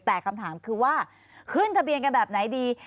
แต่คำถามคือว่าขึ้นทะเบียนกันแบบไหนดี